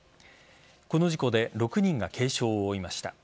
この事故で６人が軽傷を負いました。